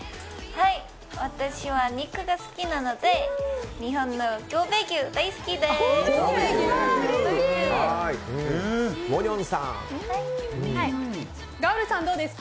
私は肉が好きなので日本の神戸牛、大好きです。